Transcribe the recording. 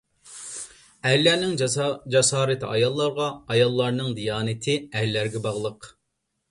ئەرلەرنىڭ جاسارىتى ئاياللارغا، ئاياللارنىڭ دىيانىتى ئەرلەرگە باغلىق.